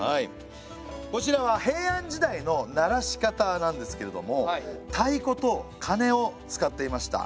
こちらは平安時代の鳴らし方なんですけれども太鼓と鐘を使っていました。